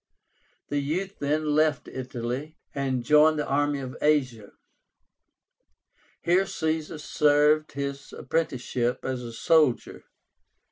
The youth then left Italy, and joined the army in Asia. Here Caesar served his apprenticeship as a soldier.